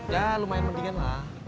ya lumayan mendingan lah